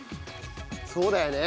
そうだよね。